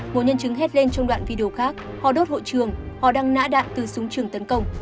một nhân chứng hết lên trong đoạn video khác họ đốt hội trường họ đang nã đạn từ súng trường tấn công